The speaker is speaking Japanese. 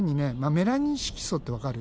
メラニン色素ってわかる？